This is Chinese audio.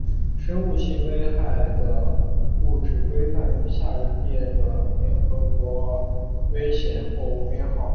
生物性危害的物质规范于下列的联合国危险货物编号